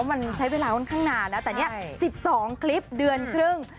มันใช้เวลาค่อนข้างนานนะแต่เนี่ย๑๒คลิปเดือนครึ่ง